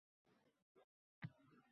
Ammo xalk jafoni